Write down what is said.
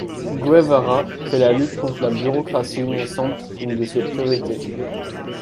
Guevara fait de la lutte contre la bureaucratie naissante une de ses priorités.